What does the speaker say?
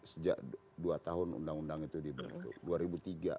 sejak dua tahun undang undang itu dibentuk